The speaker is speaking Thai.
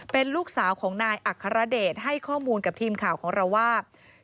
เป็นลูกสาวของนายอัครเดชให้ข้อมูลกับทีมข่าวของเราว่า